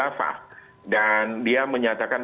oleh negara ini